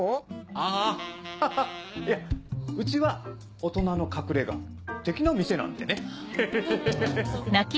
あハハっいやうちは大人の隠れ家的な店なんでねヘヘヘヘ。